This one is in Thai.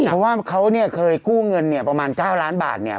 เพราะว่าเขาเนี่ยเคยกู้เงินเนี่ยประมาณ๙ล้านบาทเนี่ย